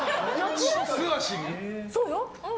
そうよ。